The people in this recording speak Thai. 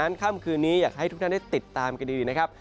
ค่ำคืนนี้อยากให้ทุกท่านได้ติดตามกันดีนะครับ